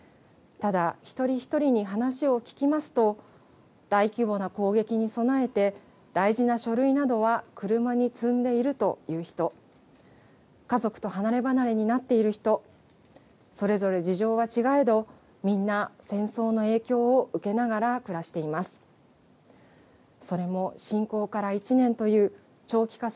ただ、一人一人に話を聞きますと、大規模な攻撃に備えて大事な書類などは車に積んでいるという人、家族と離れ離れになっている人、それぞれ事情は違えど、みんな、戦争の影響を受けながら暮らしています。